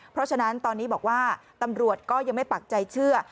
เพราะฉะนั้นตอนนี้บอกว่าตำรวจก็ยังไม่ปักใจเชื่อ